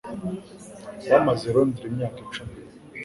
Bamaze i Londres imyaka icumi.